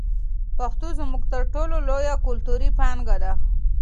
پښتو زموږ تر ټولو لویه کلتوري پانګه ده.